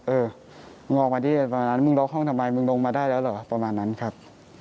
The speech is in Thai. เออมึงออกมาดิประมาณนั้นมึงล็อกห้องทำไมมึงลงมาได้แล้วเหรอประมาณนั้นครับ